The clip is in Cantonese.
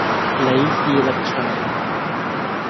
李氏力場